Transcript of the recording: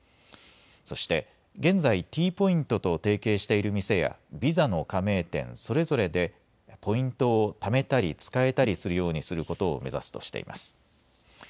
そして現在Ｔポイントと提携している店やビザの加盟店それぞれでポイントをためたり使えたりするようにすることを目指すとしています。